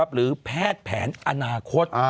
หรือแพทย์แผนอนาคต